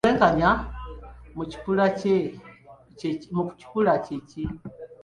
Obwenkanya mu kikula kye ki?